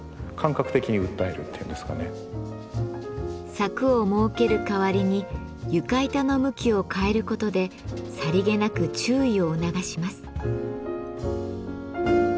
柵を設ける代わりに床板の向きを変えることでさりげなく注意を促します。